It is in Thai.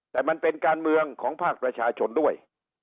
แต่มันเป็นการเมืองของภาคประชาชนด้วย